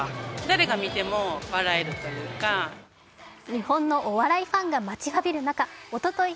日本のお笑いファンが待ちわびる中、おととい